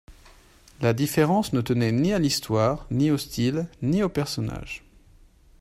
La différence ne tenait ni à l’histoire, ni au style, ni aux personnages.